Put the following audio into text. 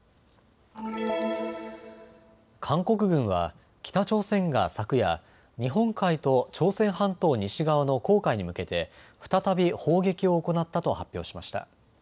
韓国軍は北朝鮮が昨夜、日本海と朝鮮半島西側の黄海に向けて再び砲撃を行ったと発表しました。